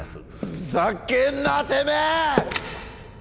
ふざけんなてめえ！